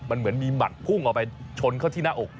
มันเหมือนมีหมัดพุ่งออกไปชนเข้าที่หน้าอก